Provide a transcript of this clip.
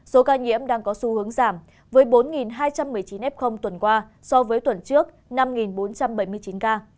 số ca nhiễm đang có xu hướng giảm với bốn hai trăm một mươi chín f tuần qua so với tuần trước năm bốn trăm bảy mươi chín ca